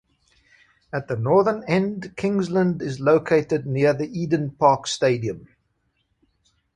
At the northern end, Kingsland is located near the Eden Park stadium.